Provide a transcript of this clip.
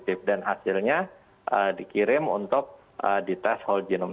tapi ini ini untuk tema tentang